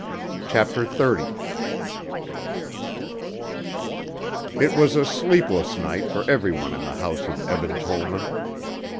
CHAPTER XXX It was a sleepless night for every one in the house of Eben Tollman.